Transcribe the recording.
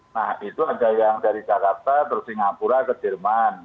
nah itu ada yang dari jakarta terus singapura ke jerman